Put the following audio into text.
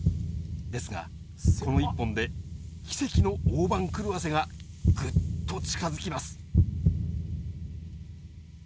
ですが、この一本で奇跡の大番狂わせがぐっと近づきます。